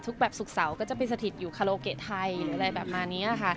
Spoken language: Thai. ทุกแบบสุขเสาจะไปสถิตอยู่คารโลเกไทย